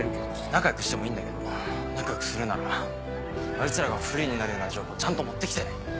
仲良くしてもいいんだけど仲良くするならあいつらが不利になるような情報ちゃんと持ってきてね。